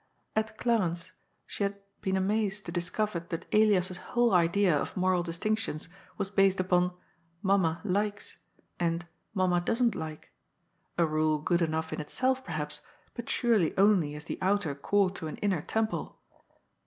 At Glarens she had been amazed to discover that Elias's whole idea of moral distinctions was based upon '' Mamma likes " and Mamma doesn't like "— ^a rule good enough in itself, perhaps, but surely only as the outer court to an inner temple.